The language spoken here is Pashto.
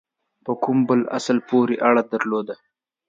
په کوم بل اصل پوري اړه درلوده.